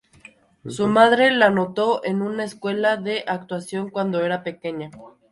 Su madre la anotó en una escuela de actuación cuando era pequeña.